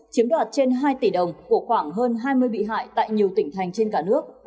chiếm đoạt trên hai tỷ đồng của khoảng hơn hai mươi bị hại tại nhiều tỉnh thành trên cả nước